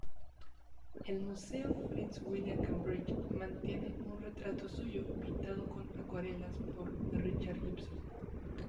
El Museo Fitzwilliam, Cambridge, mantiene un retrato suyo pintado con acuarelas por Richard Gibson.